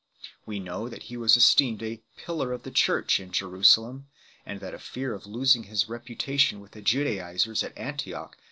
We know that he was esteemed a "pillar of the church" in Jerusalem 7 , and that the fear of losing his reputation with the Judaizers at 1 Ephes.